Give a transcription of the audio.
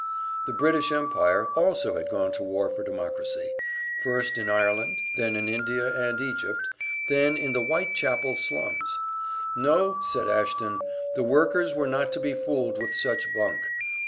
The British Empire also had gone to war for democracy first in Ireland, then in India and Egypt, then in the Whitechapel slums! No, said Ashton, the workers were not to be fooled with such bunk.